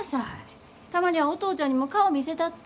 たまにはお父ちゃんにも顔見せたって。